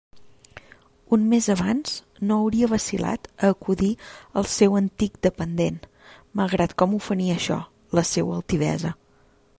Un mes abans no hauria vacil·lat a acudir al seu antic dependent, malgrat com ofenia això la seua altivesa.